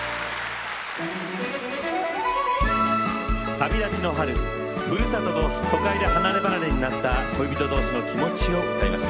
旅立ちの春故郷と都会で離れ離れになった恋人同士の気持ちを歌います。